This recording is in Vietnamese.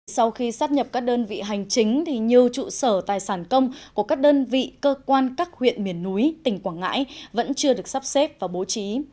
sau khi sát nhập các đơn vị hành chính thì nhiều trụ sở tài sản công của các đơn vị cơ quan các huyện miền núi tỉnh quảng ngãi vẫn chưa được sắp xếp và bố trí